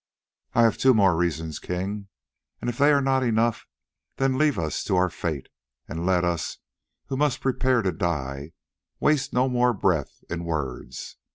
"I have two more reasons, King, and if they are not enough, then leave us to our fate, and let us, who must prepare to die, waste no more breath in words.